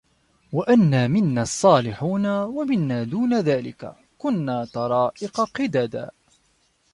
وَأَنّا مِنَّا الصّالِحونَ وَمِنّا دونَ ذلِكَ كُنّا طَرائِقَ قِدَدًا